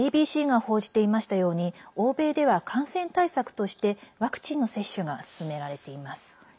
ＡＢＣが報じていましたように欧米では感染対策としてワクチンの接種が進められています。